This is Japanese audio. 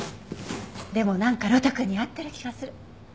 でもなんか呂太くんに合ってる気がする。